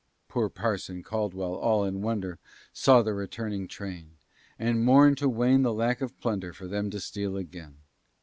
Poor Parson Caldwell, all in wonder, Saw the returning train, And mourn'd to Wayne the lack of plunder For them to steal again.